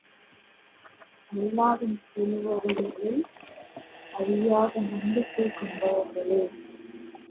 அல்லாவின் திருவருளில் அழியாத நம்பிக்கை கொண்டவர்களே!